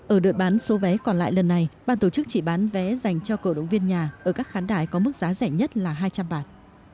ở đợt bán số vé còn lại lần này ban tổ chức chỉ bán vé dành cho cổ động viên nhà ở các khán đài có mức giá rẻ nhất là hai trăm linh bạt